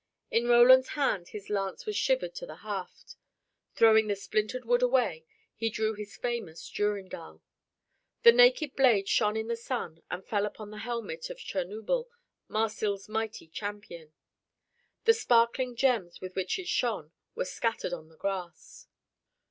In Roland's hand his lance was shivered to the haft. Throwing the splintered wood away, he drew his famous Durindal. The naked blade shone in the sun and fell upon the helmet of Chernuble, Marsil's mighty champion. The sparkling gems with which it shone were scattered on the grass.